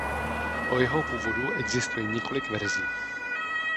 O jeho původu existuje několik verzí.